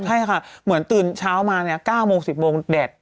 ใช่ค่ะเหมือนตื่นเช้ามาเนี่ย๙โมง๑๐โมงแดด